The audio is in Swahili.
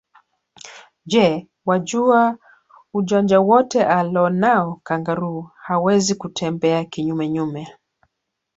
Je wajua ujanja wote alonao kangaroo hawezi kutembea kinyume nyume